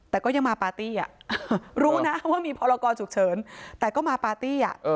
แต่ก็ยังมาปาร์ตี้รู้นะว่ามีพรกรฉุกเฉินแต่ก็มาปาร์ตี้